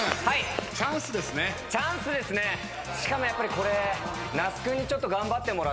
しかもやっぱりこれ。